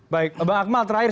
baik bang akmal terakhir